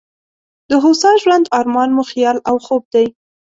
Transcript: د هوسا ژوند ارمان مو خیال او خوب دی.